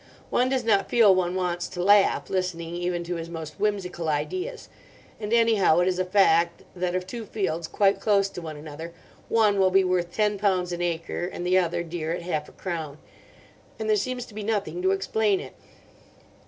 One does not feel one wants to laugh, listening even to his most whimsical ideas; and anyhow it is a fact that of two fields quite close to one another, one will be worth ten pounds an acre and the other dear at half a crown, and there seems to be nothing to explain it.